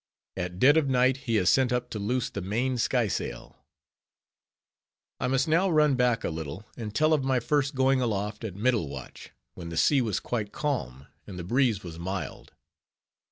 AT DEAD OF NIGHT HE IS SENT UP TO LOOSE THE MAIN SKYSAIL I must now run back a little, and tell of my first going aloft at middle watch, when the sea was quite calm, and the breeze was mild.